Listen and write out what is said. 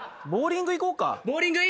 ボウリング行こうか。